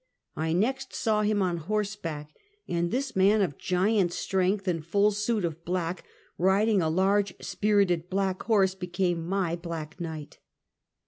I next saw him on horseback, and this man of giant strength in full suit of black, riding a large spirited black horse, be came my " black knight."